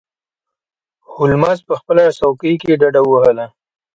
هولمز په خپله څوکۍ کې ډډه ووهله.